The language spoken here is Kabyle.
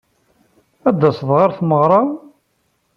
Ad d-taseḍ ɣer tmeɣra-w?